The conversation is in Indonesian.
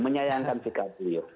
menyayangkan sikap beliau